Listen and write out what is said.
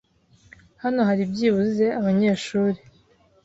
Hano hari byibuze abanyeshuri